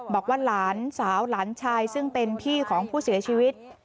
บอกว่าหลานสาวหลานชายซึ่งเป็นพี่ของผู้เสียชีวิต